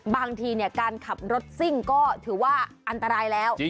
บางทีการขับรถซิ่งก็ถือว่าอันตรายแล้ว